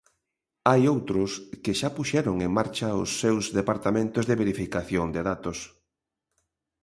Hai outros que xa puxeron en marcha os seus departamentos de verificación de datos.